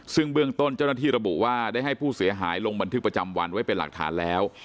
ซึ่งเบื้องต้นเจ้าหน้าที่ระบุว่าได้ให้ผู้เสียหายลงบันทึกประจำวันไว้เป็นหลักฐานแล้ว